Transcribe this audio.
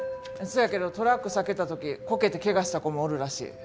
せやけどトラック避けた時こけてけがした子もおるらしい。